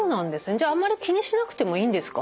じゃああんまり気にしなくてもいいんですか？